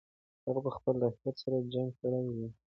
هغه به خپل لښکر سره جنګ کړی وي.